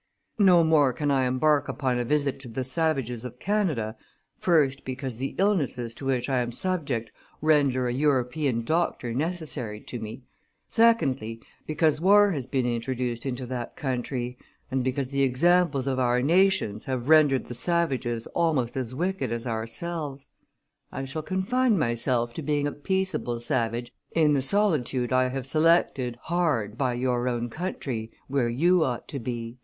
No more can I embark upon a visit to the savages of Canada, first, because the illnesses to which I am subject render a European doctor necessary to me; secondly, because war has been introduced into that country, and because the examples of our nations have rendered the savages almost as wicked as ourselves. I shall confine myself to being a peaceable savage in the solitude I have selected hard by your own country, where you ought to be."